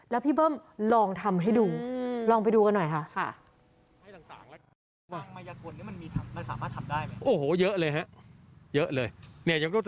แล้วพี่เบิ้มลองทำให้ดูลองไปดูกันหน่อยค่ะ